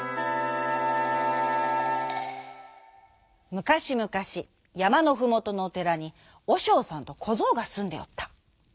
むかしむかしやまのふもとのおてらにおしょうさんとこぞうがすんでおった。